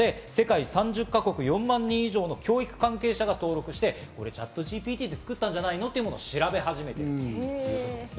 世界３０か国・４万人以上の教育関係者が登録して、ＣｈａｔＧＰＴで作ったんじゃないの？っていうことを調べ始めている。